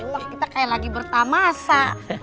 ya rumah kita kayak lagi bertamasa